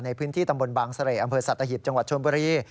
ในพื้นที่ตำบลบางเสร่อำเภอสัตหิบจังหวัดชนบุรี